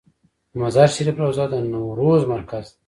د مزار شریف روضه د نوروز مرکز دی